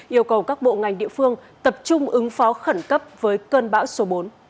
yêu cầu các bộ ngành địa phương tập trung ứng phó khẩn cấp với cơn bão số bốn